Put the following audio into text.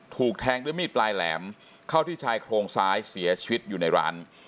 ถูกแทงด้วยมีดปลายแหลมเข้าที่ชายโครงซ้ายเสียชีวิตอยู่ในร้าน